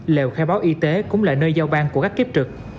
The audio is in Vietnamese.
liệu khai báo y tế cũng là nơi giao ban của các kiếp trực